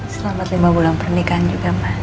selamat lima bulan pernikahan juga mbak